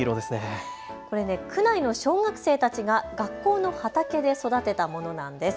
これ、区内の小学生たちが学校の畑で育てたものなんです。